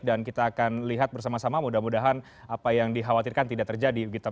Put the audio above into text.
dan kita akan lihat bersama sama mudah mudahan apa yang dikhawatirkan tidak terjadi